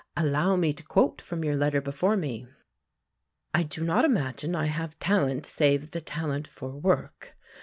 Allow me to quote from your letter before me. "I do not imagine I have talent save the talent for work.